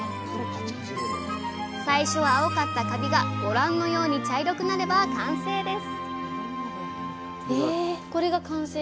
最初は青かったカビがご覧のように茶色くなれば完成です！